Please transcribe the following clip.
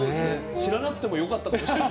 知らなくてもよかったかもしれない。